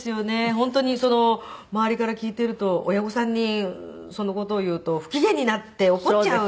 本当に周りから聞いていると親御さんにその事を言うと不機嫌になって怒っちゃう。